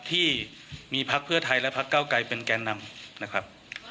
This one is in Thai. ที่มีพักเพื่อไทยและพักเก้าไกรเป็นแก่นำนะครับ